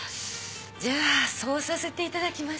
じゃあそうさせていただきます。